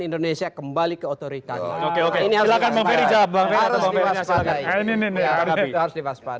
indonesia kembali ke otoritas oke oke ini adalah kan mobilnya jawab banget